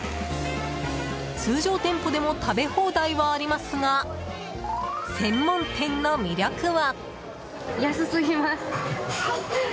通常店舗でも食べ放題はありますが専門店の魅力は。